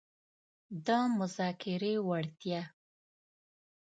-د مذاکرې وړتیا